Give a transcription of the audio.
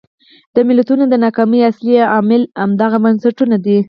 د ملتونو د ناکامۍ اصلي عامل همدغه بنسټونه دي.